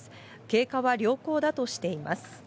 経過は良好だとしています。